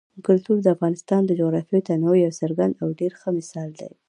کلتور د افغانستان د جغرافیوي تنوع یو څرګند او ډېر ښه مثال دی.